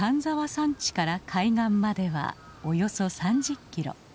山地から海岸まではおよそ３０キロ。